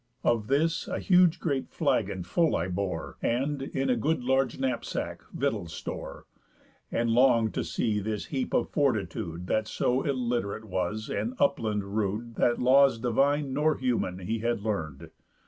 Of this a huge great flagon full I bore, And, in a good large knapsack, victuals store; And long'd to see this heap of fortitude, That so illit'rate was and upland rude That laws divine nor human he had learn'd.